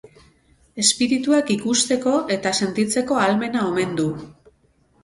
Espirituak ikusteko eta sentitzeko ahalmena omen du.